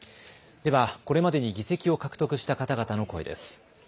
ではこれまでに議席を獲得した方々の声です。